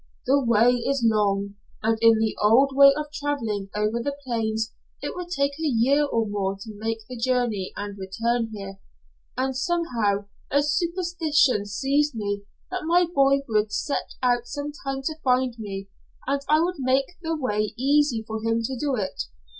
The way is long, and in the old way of traveling over the plains it would take a year or more to make the journey and return here, and somehow a superstition seized me that my boy would set out sometime to find me, and I would make the way easy for him to do it.